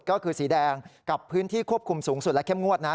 ก็คือสีแดงกับพื้นที่ควบคุมสูงสุดและเข้มงวดนะ